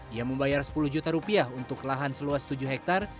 ia membayar sepuluh juta rupiah untuk lahan seluas tujuh hektare